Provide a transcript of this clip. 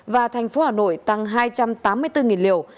và thành phố hà nội tăng hai trăm tám mươi bốn liều